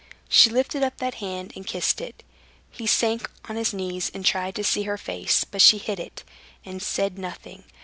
She lifted up that hand and kissed it. He sank on his knees and tried to see her face; but she hid it, and said nothing.